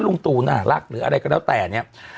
ลุงตู่น่ารักหรืออะไรก็แล้วแต่เนี่ย